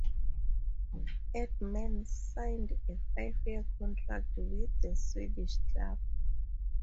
Edman signed a five-year contract with the Swedish club.